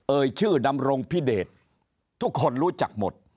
เอ่ยชื่อดำรงพิเดชทุกคนรู้จักหมด